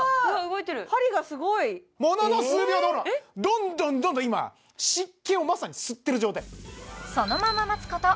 動いている針がすごい！ものの数秒でほらどんどんどんどん今湿気をまさに吸ってる状態そのまま待つこと